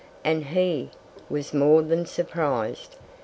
And he was more than surprised.